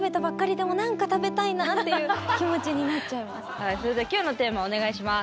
はいそれでは今日のテーマお願いします。